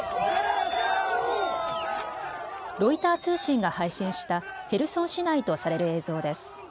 ロイター通信が配信したヘルソン市内とされる映像です。